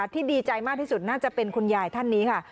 ดีใจมากที่สุดน่าจะเป็นคุณยายท่านนี้ค่ะ